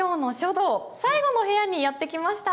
最後の部屋にやって来ました。